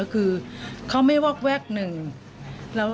เราถึงความความสุขของเขา